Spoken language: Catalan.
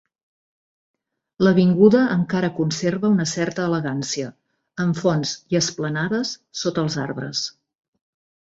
L'avinguda encara conserva una certa elegància, amb fonts i esplanades sota els arbres.